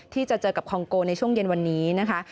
ที่จะเจอกับคองโกในช่วงเย็นวันนี้นะคะ